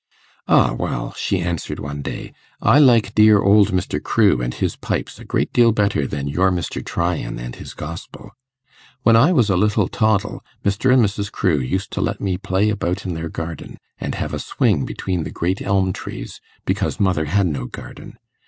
'Ah, well,' she answered one day, 'I like dear old Mr. Crewe and his pipes a great deal better than your Mr. Tryan and his Gospel. When I was a little toddle, Mr. and Mrs. Crewe used to let me play about in their garden, and have a swing between the great elm trees, because mother had no garden.